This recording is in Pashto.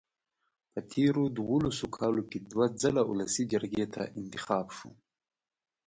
په تېرو دولسو کالو کې دوه ځله ولسي جرګې ته انتخاب شوم.